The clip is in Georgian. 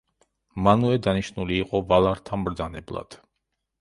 მანუე დანიშნული იყო ვალართა მბრძანებლად.